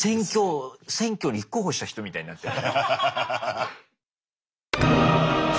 選挙立候補した人みたいになってる。